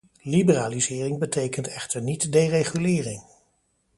Liberalisering betekent echter niet deregulering.